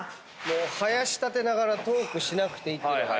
囃し立てながらトークしなくていいっていうのがいいですよね。